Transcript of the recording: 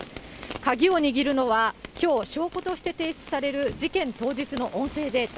鍵を握るのは、きょう証拠として提出される、事件当日の音声データ。